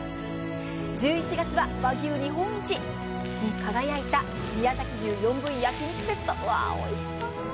１１月は和牛日本一に輝いた宮崎牛４部位焼き肉セットおいしそう。